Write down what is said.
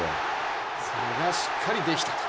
それがしっかりできたと。